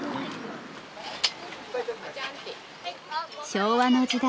昭和の時代